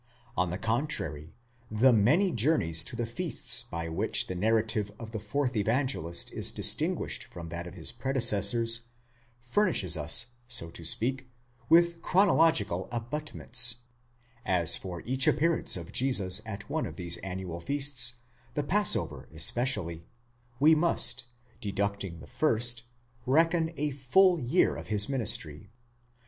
On the contrary, the many journeys to the feasts by which the narrative of the fourth Evangelist is distinguished from that of his predecessors, furnishes us, so to speak, with chronological abut ments, as for each appearance of Jesus at one of these annual feasts, the Passover especially, we must, deducting the first, reckon a full year of his ministry.